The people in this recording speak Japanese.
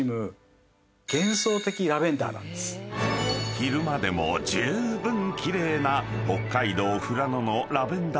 ［昼間でもじゅうぶん奇麗な北海道富良野のラベンダー畑］